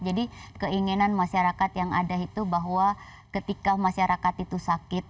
jadi keinginan masyarakat yang ada itu bahwa ketika masyarakat itu sakit